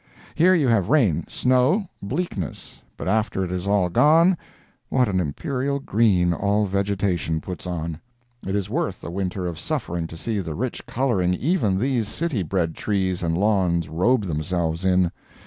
Here you have rain, snow, bleakness; but after it is all gone, what an imperial green all vegetation puts on! It is worth a winter of suffering to see the rich coloring even these city bred trees and lawns robe themselves in.